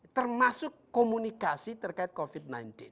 termasuk komunikasi terkait covid sembilan belas